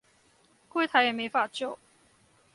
櫃檯也沒法救